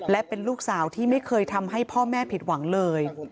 และเป็นลูกสาวที่ไม่เคยทำให้พ่อแม่ผิดหวังเลย